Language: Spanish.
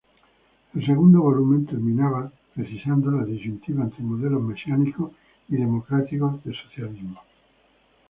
El segundo volumen terminaba precisando la disyuntiva entre modelos mesiánicos y democráticos de socialismo.